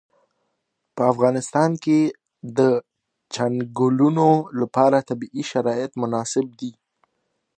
په افغانستان کې د چنګلونه لپاره طبیعي شرایط مناسب دي.